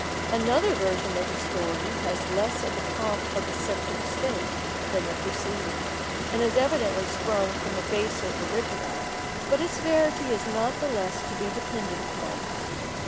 Another version of the story has less of "the pomp of sceptred state" than the preceding, and has evidently sprung from a baser original, but its verity is not the less to be depended upon.